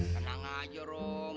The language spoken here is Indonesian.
tenang aja rum